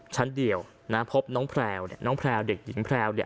ชั้นเดียวนะพบน้องแพลวเนี่ยน้องแพลวเด็กหญิงแพรวเนี่ย